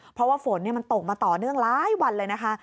เพราะว่าฝนมันตกมาต่อเนื่องหลายวันเลยนะคะ